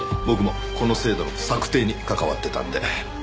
僕もこの制度の策定に関わってたんで。